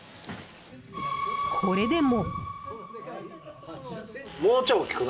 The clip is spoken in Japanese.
これでも。